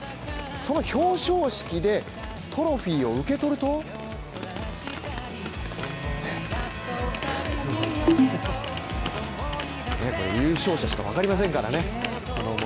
その表彰式でトロフィーを受け取ると優勝しかわかりませんからね